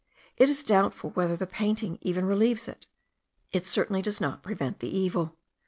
It is doubtful whether the painting even relieves: it certainly does not prevent the evil.